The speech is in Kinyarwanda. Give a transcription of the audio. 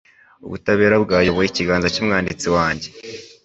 Ubutabera bwayoboye ikiganza cy'umwanditsi wanjye